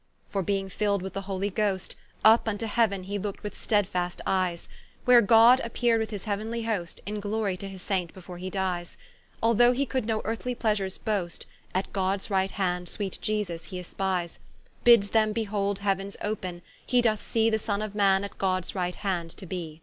For beeing filled with the holy Ghost, Vp vnto Heau'n he look'd with stedfast eies, Where God appeared with his heauenly hoste In glory to this Saint before he dies; Although he could no Earthly pleasures boast, At Gods right hand sweet I E S V S he espies; Bids them behold Heauens open, he doth see The Sonne of Man at Gods right hand to be.